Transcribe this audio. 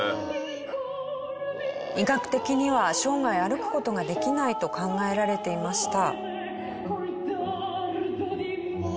医学的には生涯歩く事ができないと考えられていました。